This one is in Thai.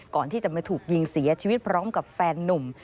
ก่อนที่จะมาถูกยิงเสียชีวิตพร้อมกับแฟนนุ่ม